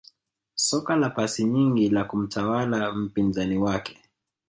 Soka la pasi nyingi la kumtawala mpinzani wake